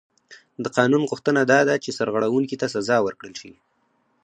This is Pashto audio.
د قانون غوښتنه دا ده چې سرغړونکي ته سزا ورکړل شي.